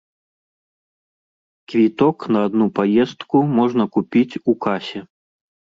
Квіток на адну паездку можна купіць у касе.